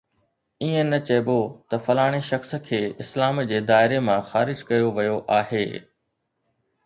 ائين نه چئبو ته فلاڻي شخص کي اسلام جي دائري مان خارج ڪيو ويو آهي